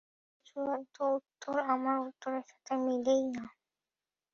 কিন্তু চূড়ান্ত উত্তর আমার উত্তরের সাথে মিলেই না।